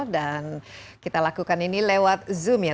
dan kita lakukan ini lewat zoom ya